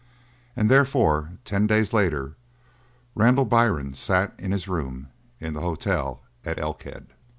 And therefore, ten days later, Randall Byrne sat in his room in the hotel at Elkhead.